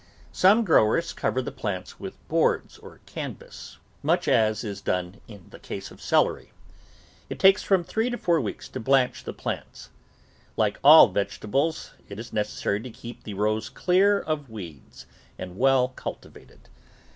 Some growers cover the plants with boards or canvas, much as is done in the case of celery. It takes from three to four weeks to blanch the plants. Like all vegetables, it is nec essary to keep the rows clear of weeds and well cultivated.